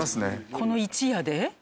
この一夜で！？